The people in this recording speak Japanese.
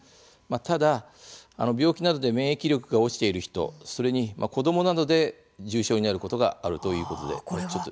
ただ、病気などで免疫力が落ちている人、それに子どもなどで重症になることがあるということで注意が必要です。